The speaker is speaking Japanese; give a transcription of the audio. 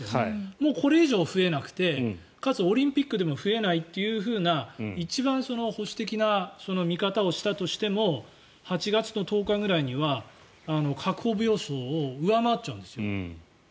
もうこれ以上増えなくてかつ、オリンピックでも増えないという一番保守的な見方をしたとしても８月の１０日ぐらいには確保病床を上回っちゃうんですよ。